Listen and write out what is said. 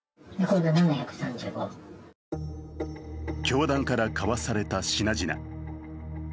教団から買わされた品々。